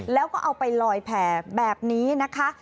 แล้วก็เอาไปลอยแผ่แบบนี้นะคะ